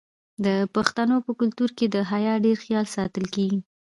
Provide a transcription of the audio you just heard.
د پښتنو په کلتور کې د حیا ډیر خیال ساتل کیږي.